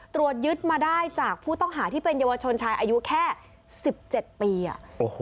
ตรวจยึดมาได้จากผู้ต้องหาที่เป็นเยาวชนชายอายุแค่สิบเจ็ดปีอ่ะโอ้โห